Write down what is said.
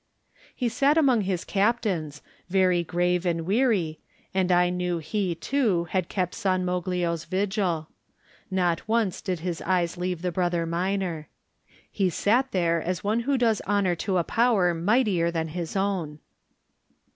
He sat among his captains, very grave and weary, and I knew he, too, had kept San Moglio's vigil. Not once did his eyes leave the Brother Minor. He sat there as one who does honor to a power mightier than his own.